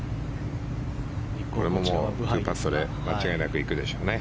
これも２パットで間違いなくいくでしょうね。